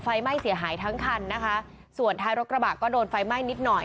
ไฟไหม้เสียหายทั้งคันนะคะส่วนท้ายรถกระบะก็โดนไฟไหม้นิดหน่อย